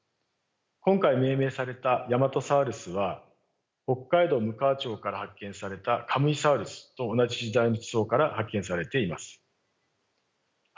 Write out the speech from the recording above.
今回命名されたヤマトサウルスは北海道むかわ町から発見されたカムイサウルスと同じ時代の地層から発見されています。